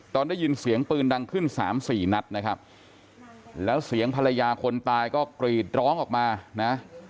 ตอนได้ยินเสียงปืนดังขึ้นสามสี่นัดนะครับแล้วเสียงภรรยาคนตายก็กรีดร้องออกมานะ